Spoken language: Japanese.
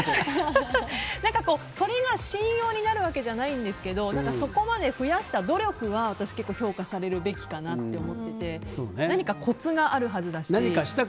それが信用になるわけじゃないんですけどそこまで増やした努力は私、結構評価されるべきかなと思っていて何かコツがあるはずだし。